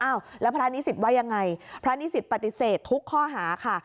แล้วพระนิสิตว่ายังไงพระนิสิตปฏิเสธทุกข้อหาค่ะ